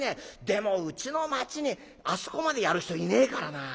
でもうちの町にあそこまでやる人いねえからな。